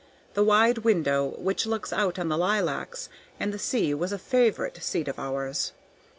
The wide window which looks out on the lilacs and the sea was a favorite seat of ours.